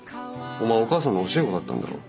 お前お母さんの教え子だったんだろ。